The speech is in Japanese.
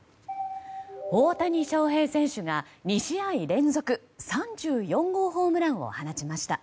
大谷翔平選手が２試合連続３４号ホームランを放ちました。